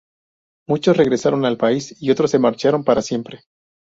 Muchos regresaron al país y otros se marcharon para siempre.